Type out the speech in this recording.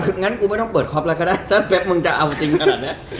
กนั้นกูไม่ต้องเปิดค็อปอะไรก็ได้ถ้าเป๊บมึงจะเอาจริงส์ขนาดนี้